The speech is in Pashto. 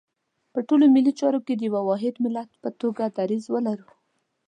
په ټولو ملي چارو کې د یو واحد ملت په توګه دریځ ولرو.